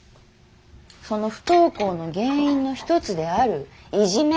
その不登校の原因の一つであるいじめ。